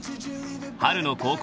［春の高校